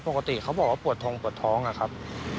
ก็ปกติเขาบอกว่าปวดท้องครับ